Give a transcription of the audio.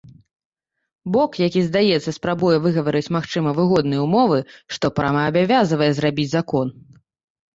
Бок, які здаецца, спрабуе выгаварыць магчыма выгодныя ўмовы, што прама абавязвае зрабіць закон.